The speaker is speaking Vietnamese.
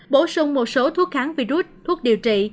bổ sung một số thuốc kháng virus thuốc điều trị